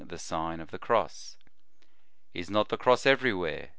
1 24 The Sign of the Cross " Is not the cross everywhere